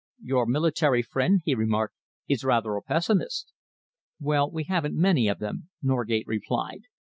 "Your military friend," he remarked, "is rather a pessimist." "Well, we haven't many of them," Norgate replied.